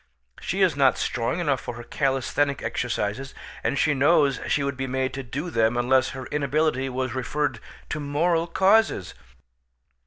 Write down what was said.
She is not strong enough for her calisthenic exercises, and she knows she would be made to do them unless her inability was referred to moral causes."